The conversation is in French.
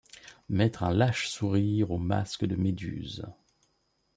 Mettre un lâche sourire au masque de Méduse !